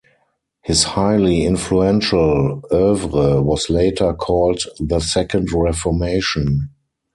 His highly influential oeuvre was later called "the second Reformation".